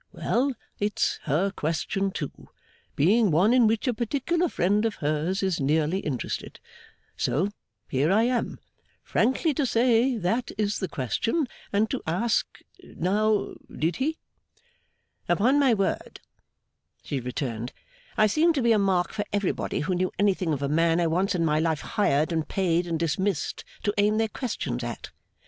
Well! It's her question, too; being one in which a particular friend of hers is nearly interested. So here I am, frankly to say that is the question, and to ask, Now, did he?' 'Upon my word,' she returned, 'I seem to be a mark for everybody who knew anything of a man I once in my life hired, and paid, and dismissed, to aim their questions at!